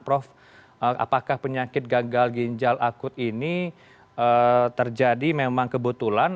prof apakah penyakit gagal ginjal akut ini terjadi memang kebetulan